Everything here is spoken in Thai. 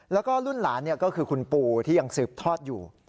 แล้วก็รุ่นหลานก็คือคุณปู่ที่ยังสืบทอดอยู่